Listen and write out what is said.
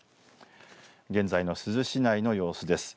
現在の珠洲市内の様子です。